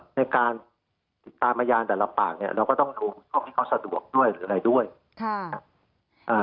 ในการติดตามพยานแต่ละปากเนี่ยเราก็ต้องดูช่องให้เขาสะดวกด้วยหรืออะไรด้วยค่ะครับ